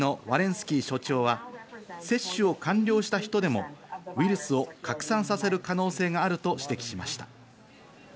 スキー所長は、接種を完了した人でもウイルスを拡散させる可能性があると指摘しました。